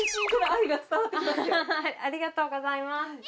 ありがとうございます。